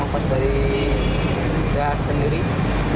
yang pas dari